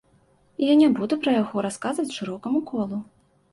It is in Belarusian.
І я не буду пра яго расказваць шырокаму колу.